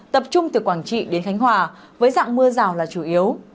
tập trung từ quảng trị đến khánh hòa với dạng mưa rào là chủ yếu